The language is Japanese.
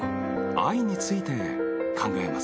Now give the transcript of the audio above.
愛について考えます。